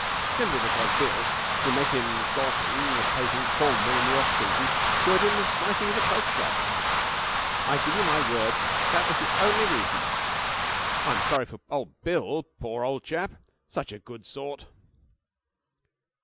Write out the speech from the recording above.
Simply because Bill, who met him golfing at a place in Cornwall in the off season, cured him of slicing his approach shots! I give you my word that was the only reason. I'm sorry for old Bill, poor old chap. Such a good sort!'